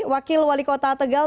wakil wali kota tegal